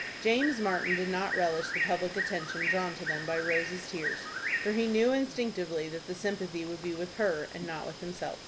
James Martin did not relish the public attention drawn to them by Rose's tears, for he knew instinctively that the sympathy would be with her, and not with himself.